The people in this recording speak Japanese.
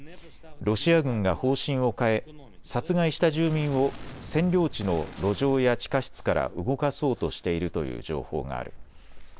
ロシア軍が方針を変え殺害した住民を占領地の路上や地下室から動かそうとしているという情報がある。